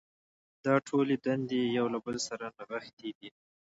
دا ټولې دندې یو له بل سره نغښتې دي.